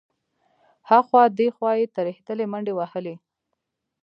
ها خوا دې خوا يې ترهېدلې منډې وهلې.